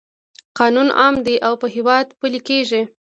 قانون عام دی او په هیواد پلی کیږي.